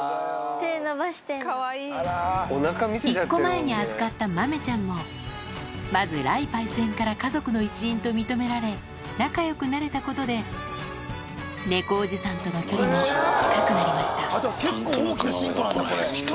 １個前に預かった豆ちゃんも、まず雷パイセンから家族の一員と認められ、仲よくなれたことで、猫おじさんとの距離も近くなりました。